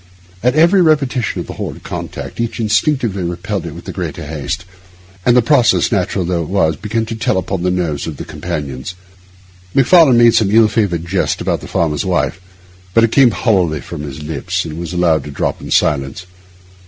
At every repetition of the horrid contact each instinctively repelled it with the greater haste; and the process, natural although it was, began to tell upon the nerves of the companions. Macfarlane made some ill favoured jest about the farmer's wife, but it came hollowly from his lips, and was allowed to drop in silence.